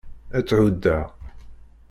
Ad tt-huddeɣ.